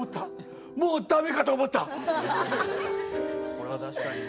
これは確かにね。